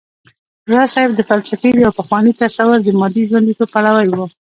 راز صيب د فلسفې د يو پخواني تصور د مادې ژونديتوب پلوی و